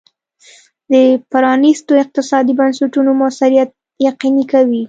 د پرانیستو اقتصادي بنسټونو موثریت یقیني کوي.